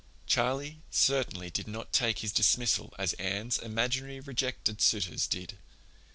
Charlie certainly did not take his dismissal as Anne's imaginary rejected suitors did.